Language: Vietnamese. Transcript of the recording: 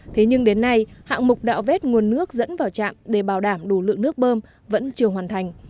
thế nhưng đến nay hạng mục đạo vét nguồn nước dẫn vào trạm để bảo đảm đủ lượng nước bơm vẫn chưa hoàn thành